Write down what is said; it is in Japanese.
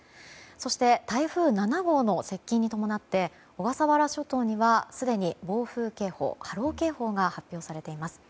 そして、台風７号の接近に伴って小笠原諸島にはすでに暴風警報、波浪警報が発表されています。